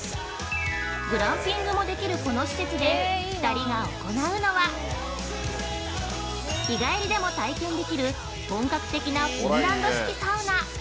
グランピングもできるこの施設で２人が行うのは日帰りでも体験できる本格的なフィンランド式サウナ。